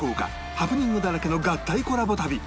ハプニングだらけの合体コラボ旅